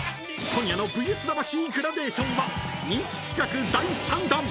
［今夜の『ＶＳ魂』グラデーションは人気企画第３弾］